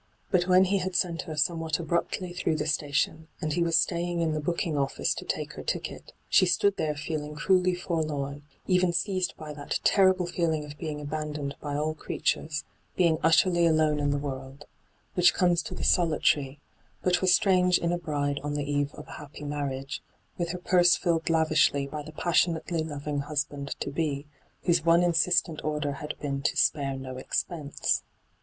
But when he had sent her somewhat abruptly through the station, and he was staying in the booking office to take her ticket, she stood there feeling cruelly forlorn, even seized by that terrible feeling of being abandoned by all creatures, being utterly alone in the world, wfaioh comes to the solitary, but was strange in a bride on the eve of a happy marriage, with her purse filled lavishly by the passion ately loving husband to be, whose one insistent order had been to ' spare no expense.'